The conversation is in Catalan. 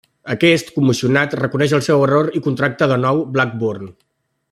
Aquest, commocionat, reconeix el seu error i contracta de nou Blackburn.